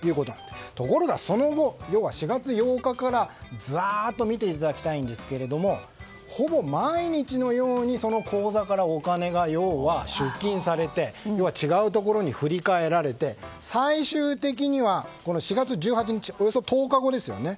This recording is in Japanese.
ところが、その後４月８日から見ていただきたいんですけどもほぼ毎日のようにその口座からお金が出金されて違うところに振り替えられて最終的には４月１８日およそ１０日後ですよね。